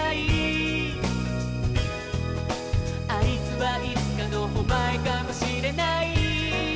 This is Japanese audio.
「あいつはいつかのおまえかもしれない」